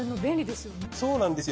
そうなんですよ。